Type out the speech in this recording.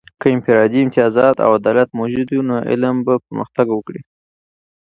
که د انفرادي امتیازات او عدالت موجود وي، نو علم به پرمختګ وکړي.